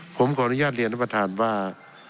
ผมขออนุญาตเรียนท่านประธานว่า